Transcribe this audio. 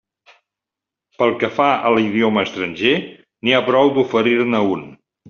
Pel que fa a l'idioma estranger, n'hi ha prou d'oferir-ne un.